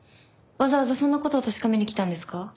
わざわざそんな事を確かめに来たんですか？